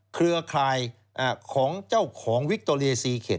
เครือคลายของเจ้าของวิคโตเรียซีเข็ด